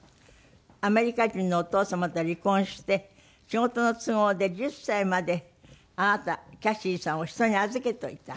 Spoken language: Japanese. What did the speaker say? アメリカ人のお父様と離婚して仕事の都合で１０歳まであなたキャシーさんを人に預けておいた。